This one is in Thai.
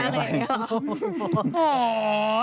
โอ๊ย